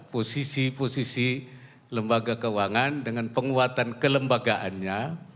posisi posisi lembaga keuangan dengan penguatan kelembagaannya